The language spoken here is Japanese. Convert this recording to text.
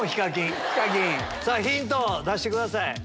ヒントを出してください。